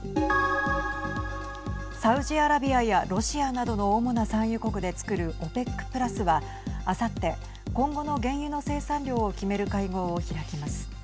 サウジアラビアやロシアなどの主な産油国でつくるＯＰＥＣプラスは、あさって今後の原油の生産量を決める会合を開きます。